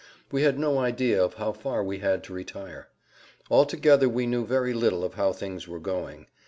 We had no idea of how far we had to retire. Altogether we knew very little of how things were going.